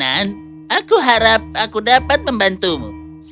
aku harap aku dapat membantumu